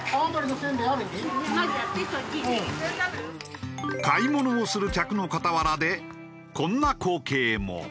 買い物をする客の傍らでこんな光景も。